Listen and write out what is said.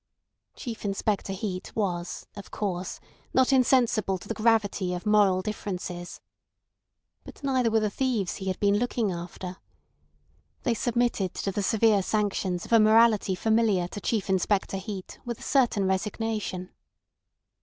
Chief Inspector Heat was, of course, not insensible to the gravity of moral differences. But neither were the thieves he had been looking after. They submitted to the severe sanctions of a morality familiar to Chief Inspector Heat with a certain resignation.